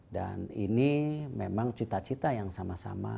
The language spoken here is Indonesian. dan ini memang cita cita yang sama sama